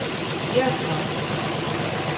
Я звал!